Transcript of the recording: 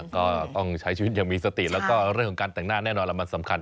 ก็ต้องใช้ชีวิตอย่างมีสติแล้วก็เรื่องของการแต่งหน้าแน่นอนแล้วมันสำคัญ